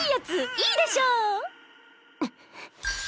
いいでしょ！